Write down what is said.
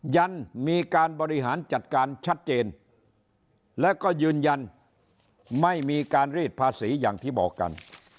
ยันมีการบริหารจัดการชัดเจนแล้วก็ยืนยันไม่มีการรีดภาษีอย่างที่บอกกัน